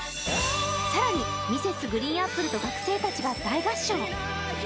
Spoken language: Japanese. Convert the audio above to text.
更にＭｒｓ．ＧＲＥＥＮＡＰＰＬＥと学生たちが大合唱。